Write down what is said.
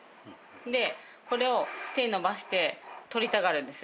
でこれを手伸ばして取りたがるんです。